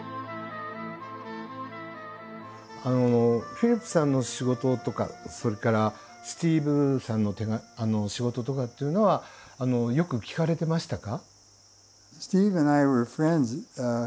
フィリップさんの仕事とかそれからスティーヴさんの仕事とかっていうのはよく聴かれてましたか？